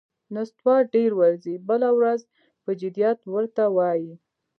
نستوه ډېر ورځي، بله ورځ پهٔ جدیت ور ته وايي: